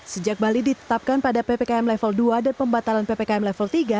sejak bali ditetapkan pada ppkm level dua dan pembatalan ppkm level tiga